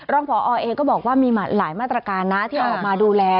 ร่องพอเอก็บอกว่ามีหลายมาตรการที่ออกมาดูแล